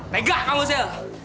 pegah kamu sil